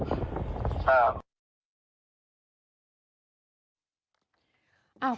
ใช่ครับ